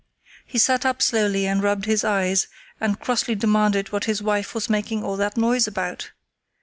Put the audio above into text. He sat up slowly and rubbed his eyes, and crossly demanded what his wife was making all that noise about.